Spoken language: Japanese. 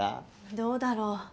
どうだろう。